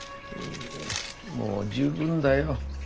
もう十分だよ。